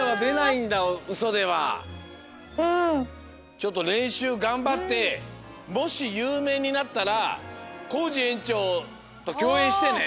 ちょっとれんしゅうがんばってもしゆうめいになったらコージえんちょうときょうえんしてね。